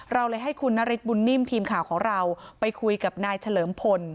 เราเลยให้คุณนฤทธบุญนิ่มทีมข่าวของเราไปคุยกับนายเฉลิมพล